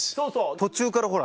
途中からほら。